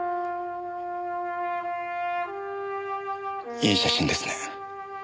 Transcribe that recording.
いい写真ですね。